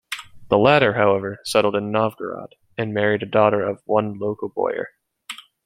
The latter, however, settled in Novgorod and married a daughter of one local boyar.